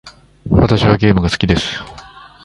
私はゲームが大好きです。